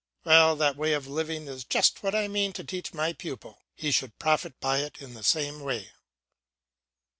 Well, that way of living is just what I mean to teach my pupil; he should profit by it in the same way.